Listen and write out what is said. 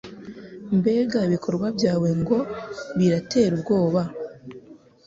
Mbega ibikorwa byawe ngo biratera ubwoba